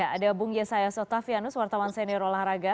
ada bung yesayas octavianus wartawan senior olahraga